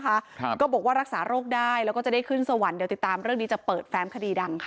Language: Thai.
ครับก็บอกว่ารักษาโรคได้แล้วก็จะได้ขึ้นสวรรค์เดี๋ยวติดตามเรื่องนี้จะเปิดแฟ้มคดีดังค่ะ